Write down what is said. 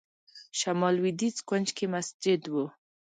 شمال لوېدیځ کونج کې مسجد و.